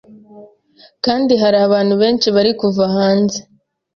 kandi hari abantu benshi bari kuva hanze